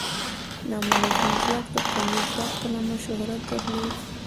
نامنظم ځواک د قومي ځواک په نامه شهرت درلوده.